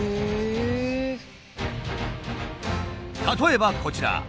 例えばこちら。